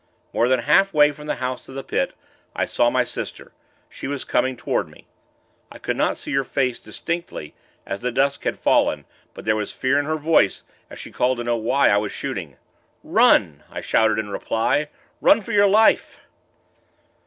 More than halfway from the house to the Pit, I saw my sister she was coming toward me. I could not see her face, distinctly, as the dusk had fallen; but there was fear in her voice as she called to know why I was shooting. 'Run!' I shouted in reply. 'Run for your life!'